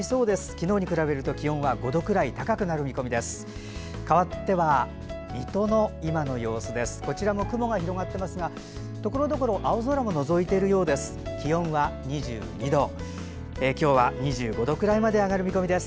昨日に比べると気温は５度くらい高くなる見込みです。